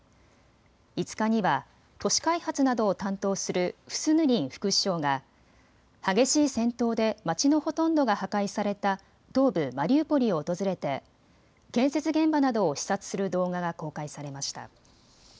５日には都市開発などを担当するフスヌリン副首相が激しい戦闘で街のほとんどが破壊された東部マリウポリを訪れて建設現場などを視察する動画が公開されました。